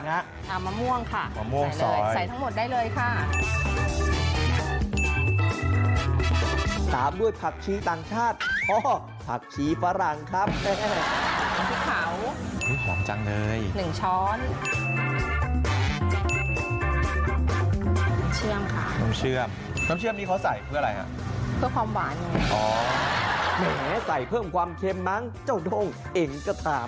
น้ำเชื่อมค่ะน้ำเชื่อมน้ำเชื้อมมีเขาใส่เพื่ออะไรไงเพื่อความวาด